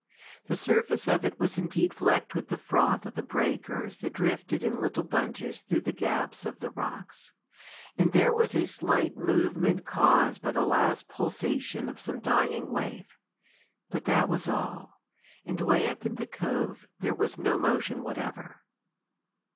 The surface of it was indeed flecked with the froth of the breakers that drifted in little bunches through the gaps of the rocks, and there was a slight movement caused by the last pulsation of some dying wave; but that was all, and way up in the cove there was no motion whatever.